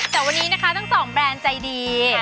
แต่วันนี้นะคะทั้งสองแบรนด์ใจดี